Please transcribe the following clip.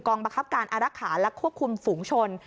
กองกำกับการอรักษาและควบคุมฝูงชน